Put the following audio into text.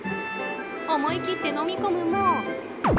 思い切って飲み込むも。